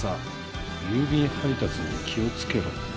「郵便配達に気をつけろ！」。